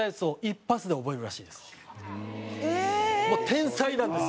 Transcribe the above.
天才なんです。